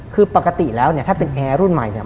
คือปกติแล้วเนี่ยถ้าเป็นแอร์รุ่นใหม่เนี่ย